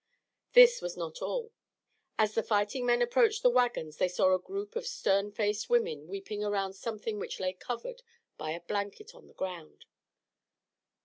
This was not all. As the fighting men approached the wagons they saw a group of stern faced women weeping around something which lay covered by a blanket on the ground.